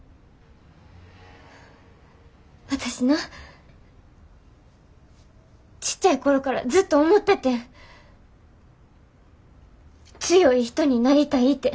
私なちっちゃい頃からずっと思っててん強い人になりたいて。